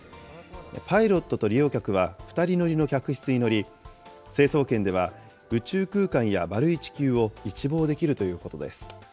パイロットと利用客は２人乗りの客室に乗り、成層圏では、宇宙空間や丸い地球を一望できるということです。